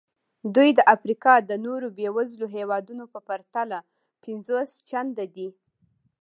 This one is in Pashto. دوی د افریقا د نورو بېوزلو هېوادونو په پرتله پنځوس چنده دي.